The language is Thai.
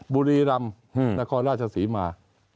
บุรีรำนครราชศรีมา